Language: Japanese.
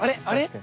あれ？